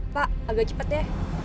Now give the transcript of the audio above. pak agak cepet ya